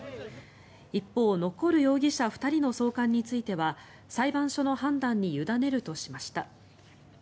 一方、残る容疑者２人の送還については裁判所の判断に委ねるとしました。